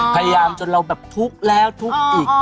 พยายามจนเราแบบทุกข์แล้วทุกข์อีก